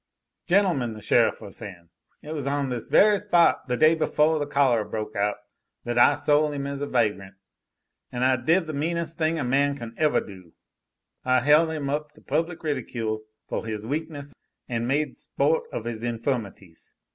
"Gentlemen," the sheriff was saying, "it was on this very spot the day befoah the cholera broke out that I sole 'im as a vagrant. An' I did the meanes' thing a man can evah do. I hel' 'im up to public ridicule foh his weakness an' made spoht of 'is infirmities.